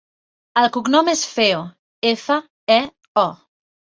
El cognom és Feo: efa, e, o.